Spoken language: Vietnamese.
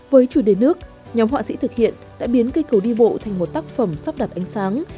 với chủ đề nước nhóm họa sĩ thực hiện đã biến cây cầu đi bộ thành một tác phẩm sắp đặt ánh sáng